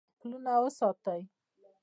پلونه وساتئ